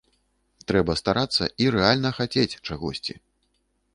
Трэба старацца і рэальна хацець чагосьці.